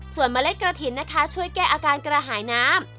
ส่วนเมล็ดกระถิ่นนะคะช่วยแก้อาการกระหายน้ำ